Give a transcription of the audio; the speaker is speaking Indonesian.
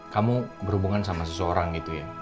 kamu berhubungan sama seseorang gitu ya